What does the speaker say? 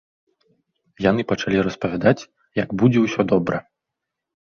Яны пачалі распавядаць, як будзе ўсё добра.